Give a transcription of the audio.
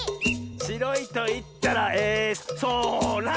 「しろいといったらえそら！」